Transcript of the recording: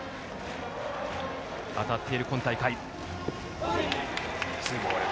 当たっている今大会。